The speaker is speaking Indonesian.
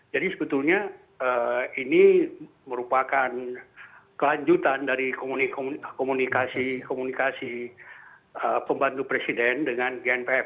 jadi sebetulnya ini merupakan kelanjutan dari komunikasi komunikasi pembantu presiden dengan gnpf